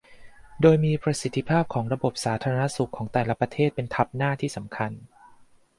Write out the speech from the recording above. โดยมีประสิทธิภาพของระบบสาธารณสุขของแต่ละประเทศเป็นทัพหน้าที่สำคัญ